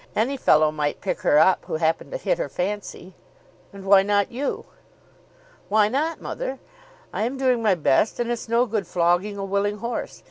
Any fellow might pick her up who happened to hit her fancy." "And why not you?" "Why not, mother? I am doing my best, and it's no good flogging a willing horse.